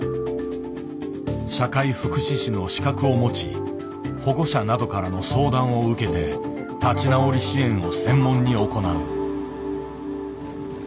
社会福祉士の資格を持ち保護者などからの相談を受けて立ち直り支援を専門に行う。